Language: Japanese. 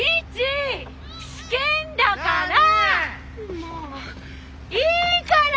もういいから！